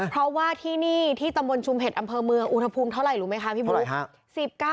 เพราะว่าที่นี่ที่ตำบลชุมเห็ดอำเภอเมืองอุณหภูมิเท่าไหร่รู้ไหมคะพี่บุ๊ค